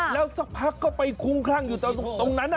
แล้วสักพักก็ไปคุ้มคลั่งอยู่ตรงนั้น